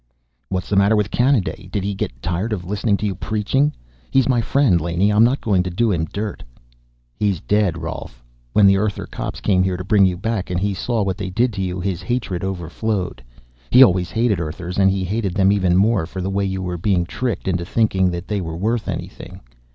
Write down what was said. "What's the matter with Kanaday? Did he get tired of listening to you preaching? He's my friend, Laney; I'm not going to do him dirt." "He's dead, Rolf. When the Earther cops came here to bring you back, and he saw what they did to you, his hatred overflowed. He always hated Earthers, and he hated them even more for the way you were being tricked into thinking they were worth anything.